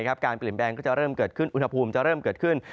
การเปลี่ยนแปลงก็จะเริ่มเกิดขึ้นอุณหภูมิจะเริ่มเกิดขึ้น